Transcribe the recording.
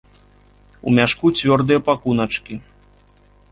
У мяшку цвёрдыя пакуначкі.